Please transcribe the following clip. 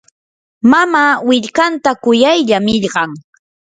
mamaa willkantan kuyaylla millqan.